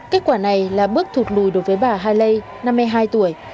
kết quả này là bước thụt lùi đối với bà haley năm mươi hai tuổi